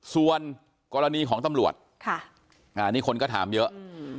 ส่วนกรณีของตำรวจนี่คนก็ถามเยอะ